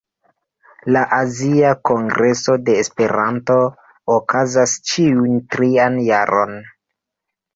La Azia Kongreso de Esperanto okazas ĉiun trian jaron.